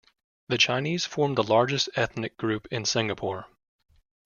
The Chinese form the largest ethnic group in Singapore.